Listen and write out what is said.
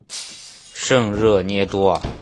圣热涅多尔。